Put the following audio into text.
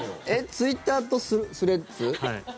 ツイッターとスレッズ？